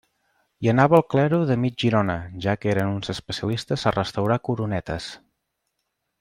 Hi anava el clero de mig Girona, ja que eren uns especialistes a restaurar coronetes.